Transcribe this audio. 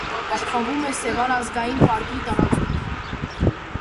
Պահպանվում է «Սևան» ազգային պարկի տարածքում։